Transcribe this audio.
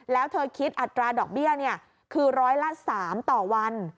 แล้วเธอคิดอัตราดอกเบี้ยคือร้อยละ๓ต่อวัน